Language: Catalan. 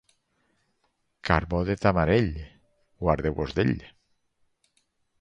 Carbó de tamarell, guardeu-vos d'ell.